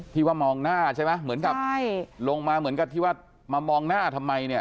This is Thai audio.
ที่ว่ามองหน้าใช่ไหมเหมือนกับใช่ลงมาเหมือนกับที่ว่ามามองหน้าทำไมเนี่ย